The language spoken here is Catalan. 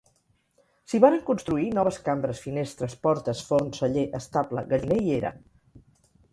S'hi varen construir noves cambres, finestres, portes, forn, celler, estable, galliner i era.